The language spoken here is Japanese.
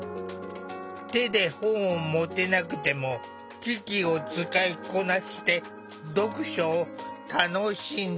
手で本を持てなくても機器を使いこなして読書を楽しんでいる。